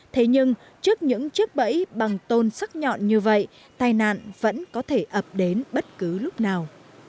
thế nhưng trước những chiếc bẫy bằng tôn sắc nhọn như vậy tai nạn vẫn có thể ập đến bất cứ lúc nào